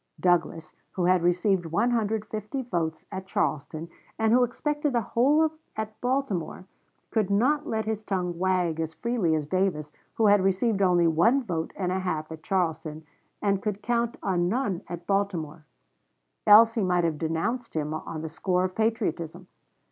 Douglas, who had received 150 votes at Charleston, and who expected the whole at Baltimore, could not let his tongue wag as freely as Davis, who had received only one vote and a half at Charleston, and could count on none at Baltimore; else he might have denounced him on the score of patriotism.